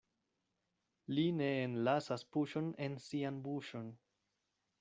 Li ne enlasas puŝon en sian buŝon.